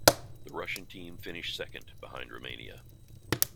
The Russian team finished second behind Romania.